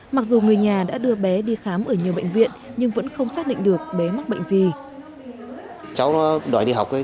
mặc dù người nhà đã đưa bé đi khám ở nhiều bệnh viện nhưng vẫn không xác định được bé mắc bệnh gì